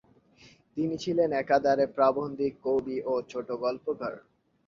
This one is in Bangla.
তিনি ছিলেন একাধারে প্রাবন্ধিক, কবি ও ছোটগল্পকার।